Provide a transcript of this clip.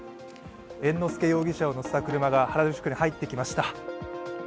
猿之助容疑者を乗せた車が原宿署に入ってきました。